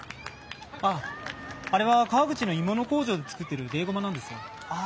あああれは川口の鋳物工場で作ってるベイゴマなんですよ。